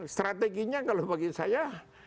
strateginya kalau bagi saya